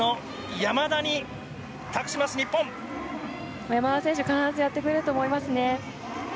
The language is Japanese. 山田選手は必ずやってくれると思いますね。